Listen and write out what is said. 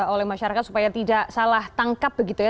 oleh masyarakat supaya tidak salah tangkap begitu ya